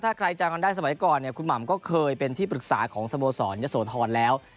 ถ้าใครจำกันได้สมัยก่อนเนี่ยคุณหม่ำก็เคยเป็นที่ปรึกษาของสโมสรยะโสธรแล้ว